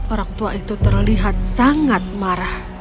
orang tua itu terlihat sangat marah